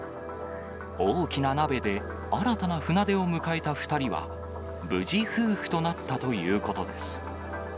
大きな鍋で新たな船出を迎えた２人は無事、夫婦となったということです。